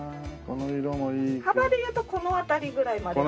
幅でいうとこの辺りぐらいまで。